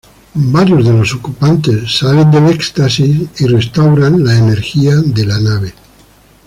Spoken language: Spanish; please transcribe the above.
Varios de los ocupantes salen de estasis y restaurar la energía a la nave.